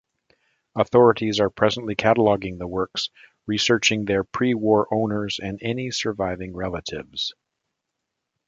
Authorities are presently cataloging the works, researching their pre-war owners, and any surviving relatives.